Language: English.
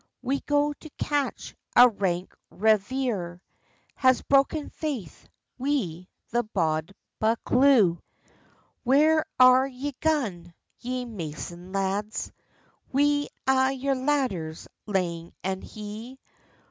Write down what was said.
"We go to catch a rank reiver, Has broken faith wi the bauld Buccleuch." "Where are ye gaun, ye mason lads, Wi a' your ladders lang and hie?"